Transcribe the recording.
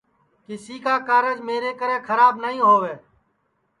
کہ کیسی کا کارج میری کرے کھراب نائی ہؤے